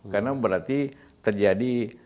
karena berarti terjadi